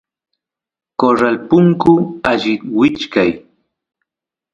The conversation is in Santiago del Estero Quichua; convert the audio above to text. corral punku allit wichkay